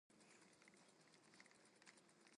Neither grave is preserved.